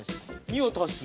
２を足す。